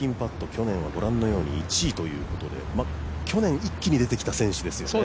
去年はご覧のように１位ということで去年、一気に出てきた選手ですよね。